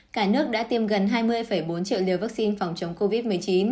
cả nước đã tiêm gần hai mươi bốn triệu liều vaccine phòng chống covid một mươi chín